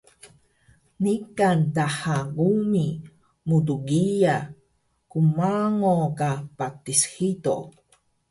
Niqan daha qumi mtgiya qmango ka patis hido